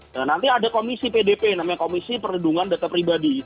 nah nanti ada komisi pdp namanya komisi perlindungan data pribadi